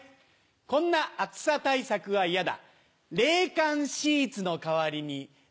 こんな暑さ対策は嫌だ。